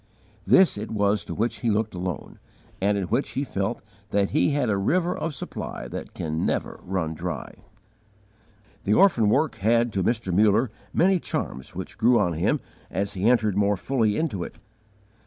This it was to which he looked alone, and in which he felt that he had a river of supply that can never run dry.* * Appendix H. The orphan work had, to Mr. Muller, many charms which grew on him as he entered more fully into it.